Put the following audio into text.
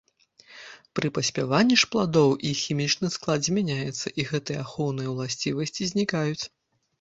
Пры паспяванні ж пладоў іх хімічны склад змяняецца і гэтыя ахоўныя ўласцівасці знікаюць.